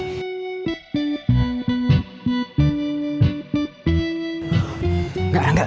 tidak rangga kunci rumah lu